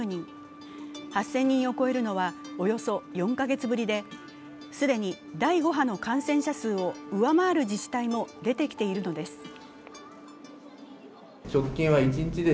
８０００人を超えるのはおよそ４カ月ぶりで、既に第５波の感染者数を上回る自治体も出てきているのです。